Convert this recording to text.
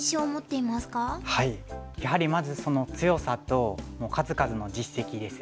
やはりまずその強さと数々の実績ですよね。